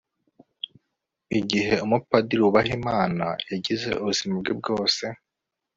igihe umupadiri wubaha imana yagize ubuzima bwe bwose